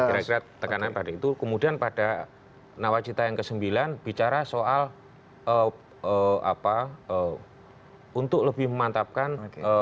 kira kira tekanan pada itu kemudian pada nawacita yang ke sembilan bicara soal apa untuk lebih memantapkan